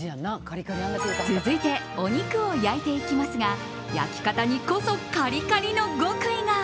続いてお肉を焼いていきますが焼き方にこそカリカリの極意が。